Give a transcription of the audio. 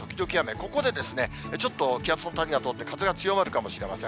ここでちょっと気圧の谷が通って、風が強まるかもしれません。